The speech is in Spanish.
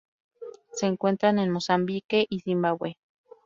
Se encuentran en Mozambique y Zimbabue.